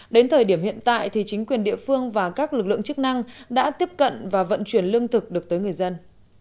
đến thời điểm hiện tại thì chính quyền địa phương và các lực lượng chức năng đã tiếp cận và vận chuyển lương thực được tới người dân